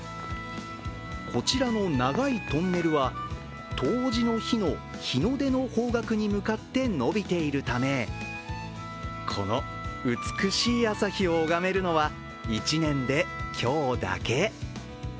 こちらの長いトンネルは冬至の日の日出の方角に向かってのびているためこの美しい朝日を拝めるのは一年で今日だけ。